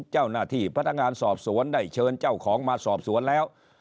เจ้าหน้าที่พนักงานสอบสวนได้เชิญเจ้าของมาสอบสวนแล้ว